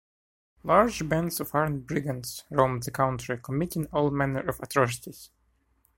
Large bands of armed brigands roamed the country committing all manner of atrocities.